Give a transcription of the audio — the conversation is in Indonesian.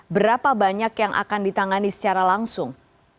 berapa banyak yang akan ditangani secara langsung